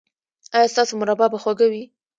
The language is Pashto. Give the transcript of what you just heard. ایا ستاسو مربا به خوږه وي؟